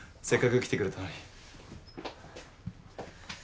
せっかく来てくれたのに。